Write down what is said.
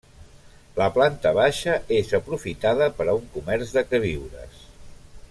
La planta baixa és aprofitada per a un comerç de queviures.